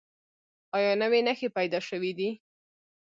ایا نوي نښې پیدا شوي دي؟